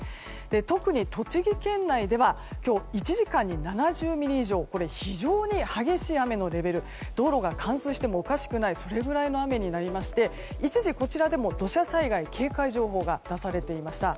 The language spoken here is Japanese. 特に栃木県内では今日、１時間に７０ミリ以上これは非常に激しい雨のレベル道路が冠水してもおかしくないそれぐらいの雨になりまして一時、こちらでも土砂災害警戒情報が出されていました。